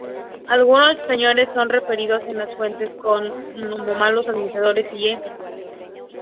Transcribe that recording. Algunos de sus señores son referidos en la fuentes como "malos administradores", i.e.